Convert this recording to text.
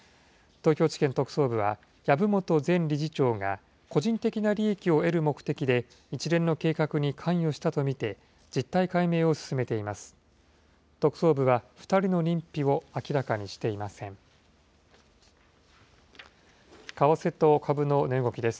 東京地検特捜部は籔本前理事長が、個人的な利益を得る目的で一連の計画に関与したと見て実態解明を進めています。